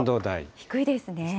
低いですね。